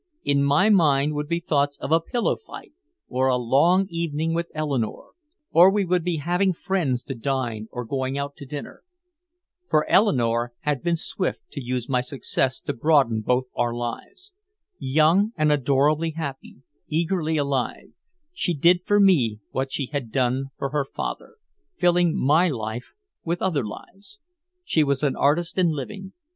In my mind would be thoughts of a pillow fight or a long evening with Eleanore, or we would be having friends to dine or going out to dinner. For Eleanore had been swift to use my success to broaden both our lives. Young and adorably happy, eagerly alive, she did for me what she had done for her father, filling my life with other lives. She was an artist in living.